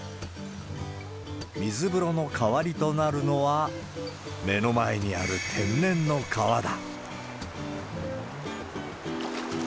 水風呂の代わりとなるのは、目の前にある天然の川だ。